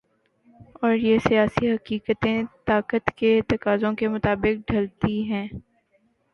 اور یہ سیاسی حقیقتیں طاقت کے تقاضوں کے مطابق ڈھلتی ہیں۔